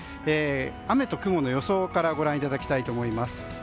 雨と雲の予想からご覧いただきたいと思います。